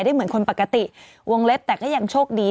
เหมือนคนปกติวงเล็บแต่ก็ยังโชคดี